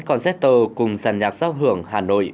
concerto cùng giàn nhạc giao hưởng hà nội